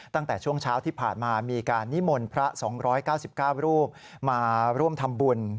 ตั้งแต่ช่วงเช้าที่ผ่านมามีการนิมนต์พระ๒๙๙รูปมาร่วมทำบุญ